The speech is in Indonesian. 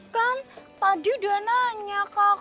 kan tadi udah nanya kakak